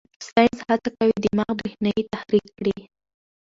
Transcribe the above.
ساینس هڅه کوي دماغ برېښنايي تحریک کړي.